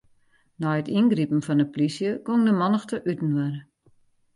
Nei it yngripen fan 'e polysje gong de mannichte útinoar.